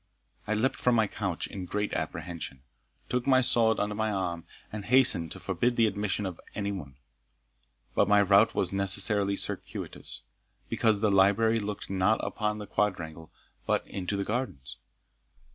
I leaped from my couch in great apprehension, took my sword under my arm, and hastened to forbid the admission of any one. But my route was necessarily circuitous, because the library looked not upon the quadrangle, but into the gardens.